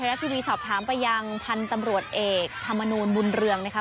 รัฐทีวีสอบถามไปยังพันธุ์ตำรวจเอกธรรมนูลบุญเรืองนะคะ